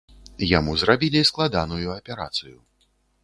Яму зрабілі складаную аперацыю.